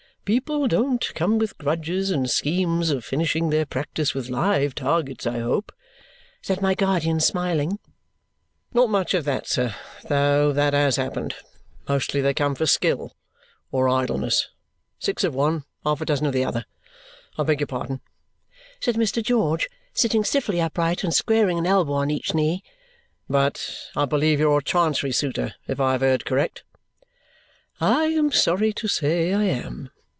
"People don't come with grudges and schemes of finishing their practice with live targets, I hope?" said my guardian, smiling. "Not much of that, sir, though that HAS happened. Mostly they come for skill or idleness. Six of one, and half a dozen of the other. I beg your pardon," said Mr. George, sitting stiffly upright and squaring an elbow on each knee, "but I believe you're a Chancery suitor, if I have heard correct?" "I am sorry to say I am."